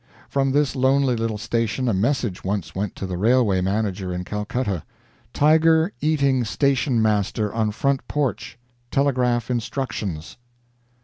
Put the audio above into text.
From this lonely little station a message once went to the railway manager in Calcutta: "Tiger eating station master on front porch; telegraph instructions."